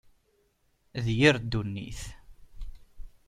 D yir ddunit.